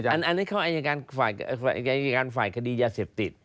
อันนี้เขาอายการฝ่ายคดียาเสพติด